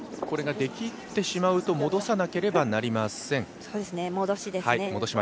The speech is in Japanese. これが出きってしまうと戻さなければなりません。